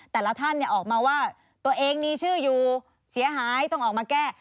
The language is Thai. แต่ละท่านออกมาว่าตัวเองมีชื่ออยู่เสียหายต้องออกมาแก้